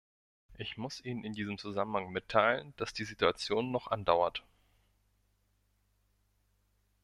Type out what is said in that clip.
Ich muss Ihnen in diesem Zusammenhang mitteilen, dass die Situation noch andauert.